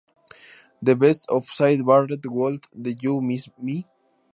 The best of Syd Barret.Wouldn, t you miss me?